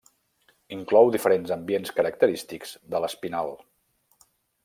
Inclou diferents ambients característics de l'Espinal.